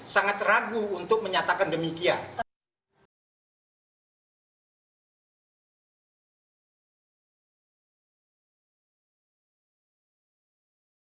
sangat ragu untuk menyatakan demikian